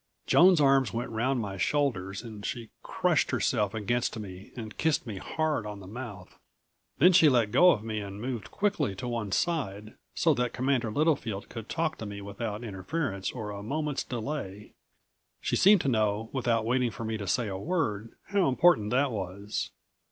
Joan's arms went around my shoulders and she crushed herself against me, and kissed me hard on the mouth. Then she let go of me and moved quickly to one side, so that Commander Littlefield could talk to me without interference or a moment's delay. She seemed to know without waiting for me to say a word how important that was.